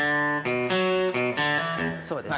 そうです。